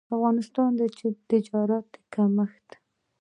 افغانستان د تجارت د کمښت